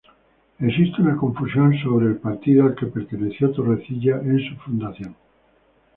Existe una confusión acerca del partido al que perteneció Torrecilla en su fundación.